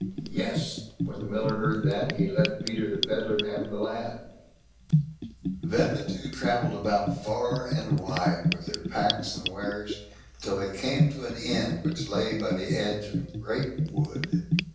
Yes! when the miller heard that, he let Peter the Pedlar have the lad. Then the two travelled about far and wide, with their packs and wares, till they came to an inn, which lay by the edge of a great wood.